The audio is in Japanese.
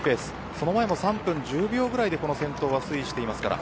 その前も３分１０秒ぐらいで推移しています。